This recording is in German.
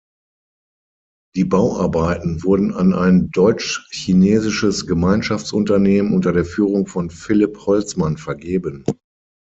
Die Bauarbeiten wurden an ein deutsch-chinesisches Gemeinschaftsunternehmen unter der Führung von Philipp Holzmann vergeben.